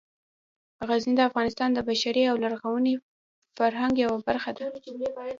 غزني د افغانستان د بشري او لرغوني فرهنګ یوه برخه ده.